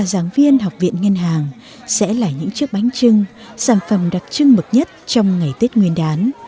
các giảng viên học viện ngân hàng sẽ là những chiếc bánh trưng sản phẩm đặc trưng mực nhất trong ngày tết nguyên đán